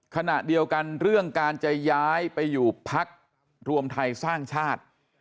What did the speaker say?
ขณะเดียวกันเรื่องการจะย้ายไปอยู่พักรวมไทยสร้างชาติ